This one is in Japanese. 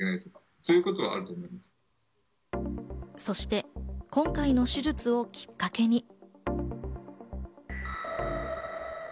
そして今回の手術をきっかけに。